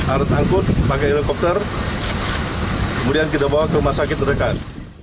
arut angkut pakai helikopter kemudian kita bawa ke rumah sakit terdekat